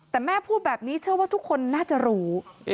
แต่แม่พูดแบบนี้เชื่อว่าทุกคนน่าจะรู้